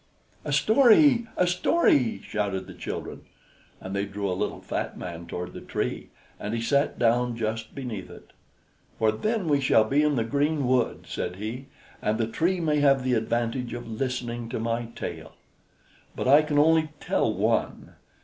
"A story! A story!" shouted the children; and they drew a little fat man toward the tree; and he sat down just beneath it "for then we shall be in the green wood," said he, "and the tree may have the advantage of listening to my tale. But I can only tell one.